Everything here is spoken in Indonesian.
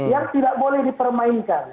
yang tidak boleh dipermainkan